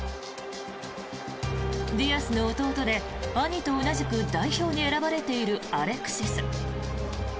ディアスの弟で、兄と同じく代表に選ばれているアレクシス。